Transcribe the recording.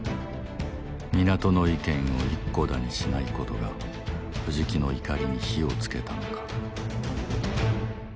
港の意見を一顧だにしないことが藤木の怒りに火をつけたのか